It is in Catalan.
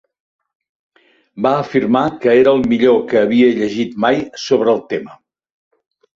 Va afirmar que era el millor que havia llegit mai sobre el tema.